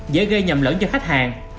dễ gây nhầm lẫn cho khách hàng